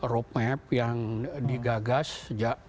road map yang digagas sejak